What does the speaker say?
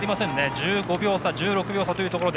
１５秒差、１６秒差というところ。